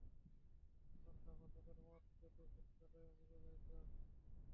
এখন ভাবো, তাদের মদ যদি পতিতালয়েই মিলে যায়, তো?